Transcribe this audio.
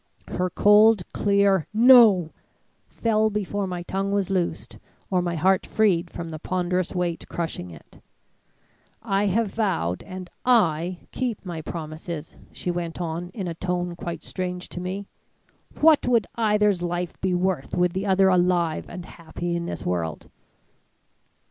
Her cold, clear 'No!' fell before my tongue was loosed or my heart freed from the ponderous weight crushing it. "'I have vowed and I keep my promises,' she went on in a tone quite strange to me. 'What would either's life be worth with the other alive and happy in this world?'